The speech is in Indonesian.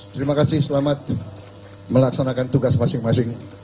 terima kasih selamat melaksanakan tugas masing masing